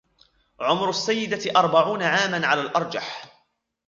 عمر السيدة أربعون عامًا على الأرجح.